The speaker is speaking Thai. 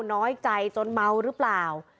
น้อยใจจนเมาหรือเปล่า